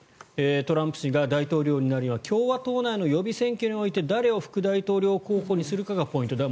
トランプ氏が大統領になるには共和党内の予備選挙において誰を副大統領候補にするかがポイントだ。